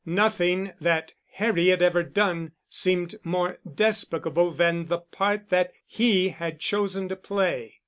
Nothing that Harry had ever done seemed more despicable than the part that he had chosen to play.